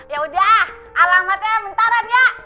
yaudah alamatnya mentaran ya